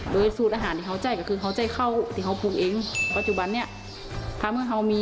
โดยสูตรอาหารที่เขาจ่ายก็คือเขาจ่ายเข้า